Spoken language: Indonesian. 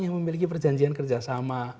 yang memiliki perjanjian kerjasama